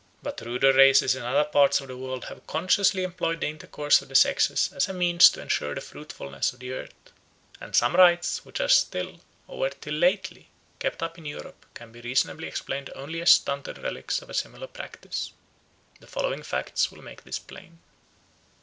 But ruder races in other parts of the world have consciously employed the intercourse of the sexes as a means to ensure the fruitfulness of the earth; and some rites which are still, or were till lately, kept up in Europe can be reasonably explained only as stunted relics of a similar practice. The following facts will make this plain.